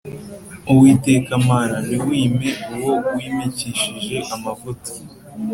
uwiteka mana, ntiwime uwo wimikishije amavuta;